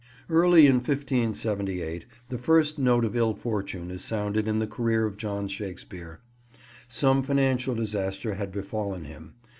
Early in 1578 the first note of ill fortune is sounded in the career of John Shakespeare. Some financial disaster had befallen him.